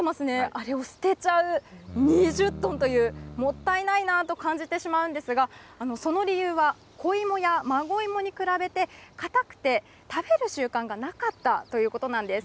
あれを捨てちゃう、２０トンという、もったいないなと感じてしまうんですが、その理由は子芋や孫芋に比べて、固くて、食べる習慣がなかったということなんです。